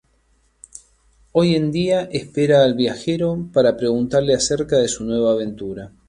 Hoy en día espera al Viajero para preguntarle acerca de su nueva aventura.